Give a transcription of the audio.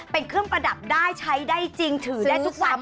เป็นเครื่องประดับได้ใช้ได้จริงถือได้ทุกวัน